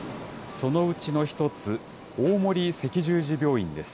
そのうちの一つ、大森赤十字病院です。